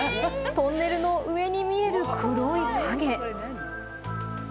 トンネルの上に見える黒い影。